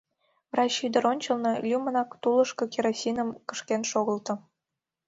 Врач ӱдыр ончылно лӱмынак тулышко керосиным кышкен шогылто.